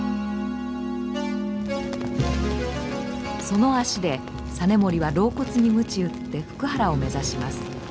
その足で実盛は老骨にムチ打って福原を目指します。